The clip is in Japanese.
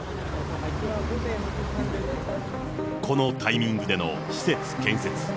このタイミングでの施設建設。